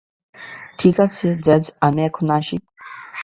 ঠিক আছে, জ্যাজ, আমি এখন আসি।